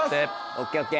ＯＫＯＫ。